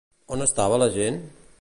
On estava la gent?